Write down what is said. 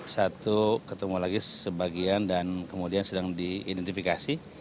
satu ketemu lagi sebagian dan kemudian sedang diidentifikasi